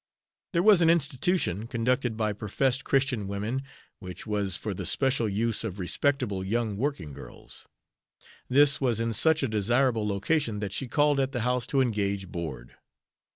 There was an institution conducted by professed Christian women, which was for the special use of respectable young working girls. This was in such a desirable location that she called at the house to engage board.